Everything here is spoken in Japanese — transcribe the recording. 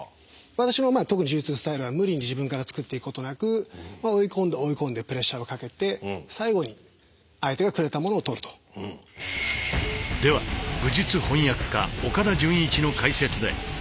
私のまあ特に柔術スタイルは無理に自分から作っていくことなく追い込んで追い込んでプレッシャーをかけてでは武術翻訳家岡田准一の解説でスパーリングをご覧頂こう。